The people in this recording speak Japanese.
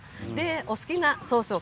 お好きなソースを